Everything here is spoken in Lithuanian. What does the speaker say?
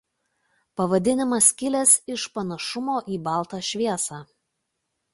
Pavadinimas kilęs iš panašumo į baltą šviesą.